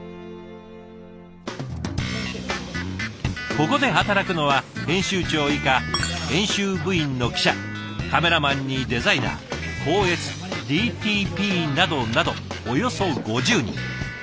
ここで働くのは編集長以下編集部員の記者カメラマンにデザイナー校閲ＤＴＰなどなどおよそ５０人。